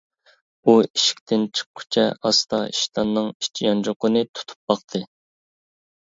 ئۇ ئىشىكتىن چىققۇچە ئاستا ئىشتاننىڭ ئىچ يانچۇقىنى تۇتۇپ باقتى.